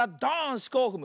しこをふむ。